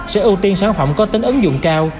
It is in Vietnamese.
sẽ ưu tiên sản phẩm có tính ứng dụng cao